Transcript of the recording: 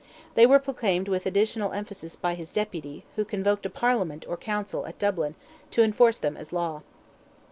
They were proclaimed with additional emphasis by this deputy, who convoked a Parliament or Council, at Dublin, to enforce them as law.